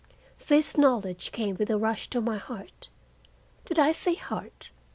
This knowledge came with a rush to my heart—(did I say heart?